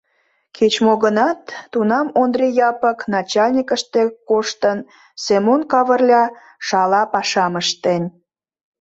Кеч-мо гынат, тунам Ондри Япык начальникыште коштын, Семон Кавырля шала пашам ыштен.